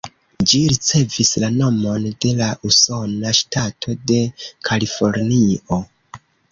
Ĝi ricevis la nomon de la usona ŝtato de Kalifornio.